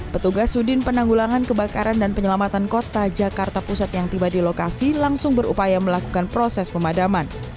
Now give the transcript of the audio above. petugas sudin penanggulangan kebakaran dan penyelamatan kota jakarta pusat yang tiba di lokasi langsung berupaya melakukan proses pemadaman